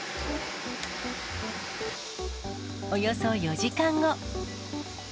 およそ４時間後。